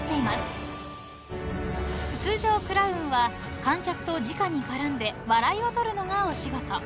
［通常クラウンは観客とじかに絡んで笑いを取るのがお仕事］